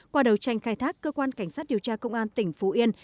qua đầu tranh khai thác cơ quan cảnh sát điều tra công an tỉnh phú yên